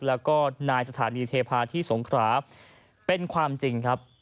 แล้วก็นายสถานีเทพาที่สงคราเป็นความจริงครับ